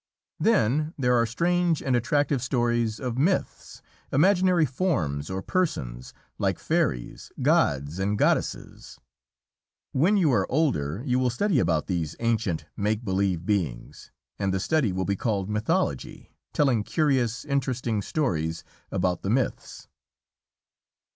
Then there are strange and attractive stories of "myths," imaginary forms or persons, like fairies, gods, and goddesses. When you are older you will study about these ancient, make believe beings, and the study will be called myth ology, telling curious, interesting stories about the myths.